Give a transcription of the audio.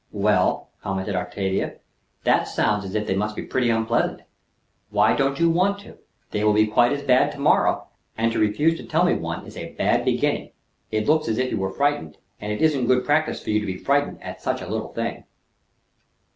"Well," commented Octavia, "that sounds as if they must be pretty unpleasant. Why don't you want to? They will be quite as bad to morrow. And to refuse to tell me one is a bad beginning. It looks as if you were frightened; and it isn't good practice for you to be frightened at such a little thing."